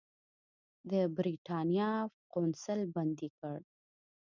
د برېټانیا قونسل بندي کړ.